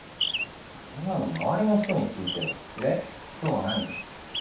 そんなの周りの人に聞いてよで今日は何？